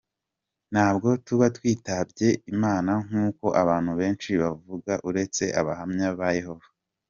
Ntabwo tuba twitabye imana nkuko abantu benshi bavuga uretse Abahamya ba Yehova.